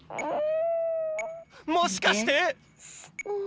もしかして！？